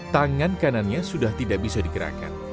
tangan kanannya sudah tidak bisa digerakkan